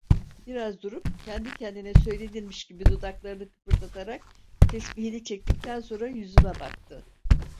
Biraz durup, kendi kendine söylenirmiş gibi dudaklarını kıpırdatarak tespihini çektikten sonra yüzüme baktı.